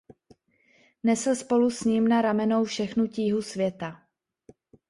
Nesl spolu s ním na ramenou všechnu tíhu světa.